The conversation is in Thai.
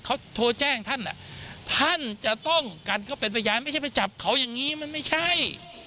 เขาโทรแจ้งท่านท่านจะต้องกันเขาเป็นพยานไม่ใช่ไปจับเขาอย่างนี้มันไม่ใช่